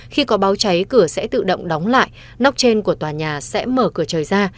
khi có báo cháy cửa sẽ tự động đóng lại nóc trên của tòa nhà sẽ mở cửa trời ra